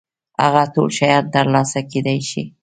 هغه ټول شيان تر لاسه کېدای شي.